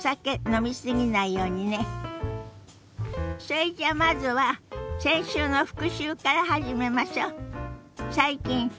それじゃあまずは先週の復習から始めましょ。